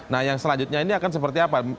nah yang selanjutnya ini akan seperti apa